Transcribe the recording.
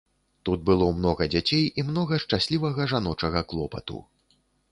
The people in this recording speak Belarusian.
Тут было многа дзяцей і многа шчаслівага жаночага клопату.